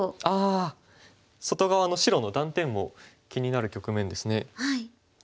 ああ外側の白の断点も気になる局面ですね。